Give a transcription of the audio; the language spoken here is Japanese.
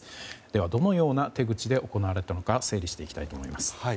では、どのような手口で行われたのか整理したいと思います。